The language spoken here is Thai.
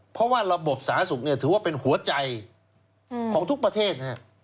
เพราะว่าระบบสาธารณสุขถือว่าเป็นหัวใจของทุกประเทศ